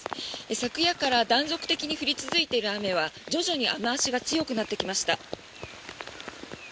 昨夜から断続的に降り続いている雨は徐々に雨脚が強くなってきました。